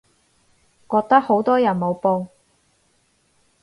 覺得好多人冇報